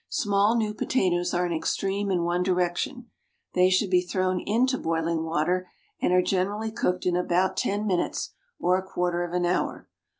Small new potatoes are an extreme in one direction. They should be thrown into boiling water, and are generally cooked in about ten minutes or a quarter of an hour.